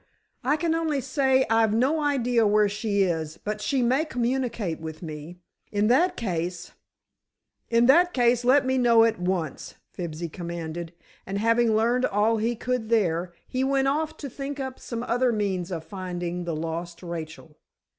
"I can only say I've no idea where she is, but she may communicate with me. In that case——" "In that case, let me know at once," Fibsy commanded, and having learned all he could there, he went off to think up some other means of finding the lost Rachel.